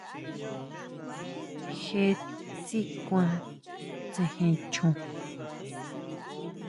Je tsí kʼua, tsejen chon.